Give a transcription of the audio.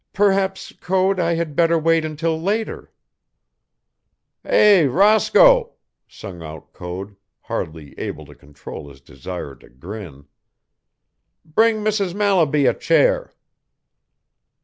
"Perhaps, Code, I had better wait until later." "Hey, Roscoe!" sung out Code, hardly able to control his desire to grin. "Bring Mrs. Mallaby a chair."